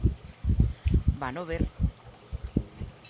Vano ver.